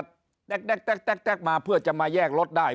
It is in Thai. แต๊กมาเพื่อจะมาแยกรถได้